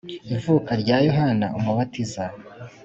Ivuka rya yohana umubatiza